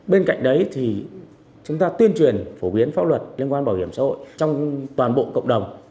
bên cạnh đấy thì chúng ta tuyên truyền phổ biến pháp luật liên quan bảo hiểm xã hội trong toàn bộ cộng đồng